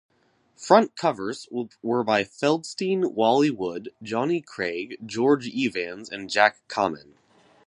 Front covers were by Feldstein, Wally Wood, Johnny Craig, George Evans and Jack Kamen.